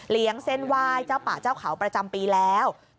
เส้นไหว้เจ้าป่าเจ้าเขาประจำปีแล้ว